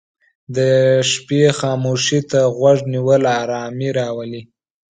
د شپې خاموشي ته غوږ نیول آرامي راولي.